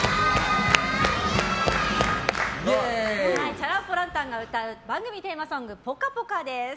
チャラン・ポ・ランタンが歌う番組テーマソング「ぽかぽか」です。